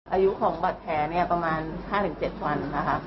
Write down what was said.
อายุของบัตรแผลเนี่ยประมาณ๕๗วันนะคะ